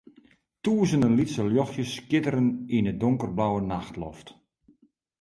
Tûzenen lytse ljochtsjes skitteren yn in donkerblauwe nachtloft.